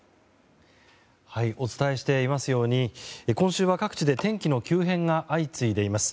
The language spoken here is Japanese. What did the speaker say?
お伝えしていますように今週は各地で天気の急変が相次いでいます。